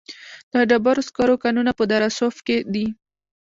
د ډبرو سکرو کانونه په دره صوف کې دي